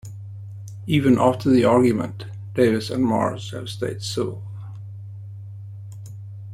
Even after the argument Davis and Marz have stayed civil.